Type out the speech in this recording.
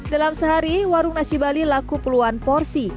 dalam sehari warung nasi bali laku puluhan porsi